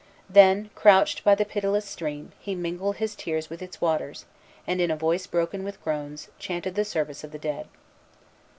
Then, crouched by the pitiless stream, he mingled his tears with its waters, and, in a voice broken with groans, chanted the service of the dead.